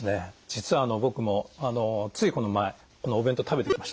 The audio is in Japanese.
実は僕もついこの前このお弁当食べてきました。